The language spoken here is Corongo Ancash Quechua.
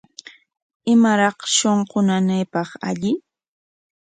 ¿Imaraq shunqu nanaypaq alli?